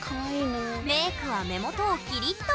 メークは目元をキリッと。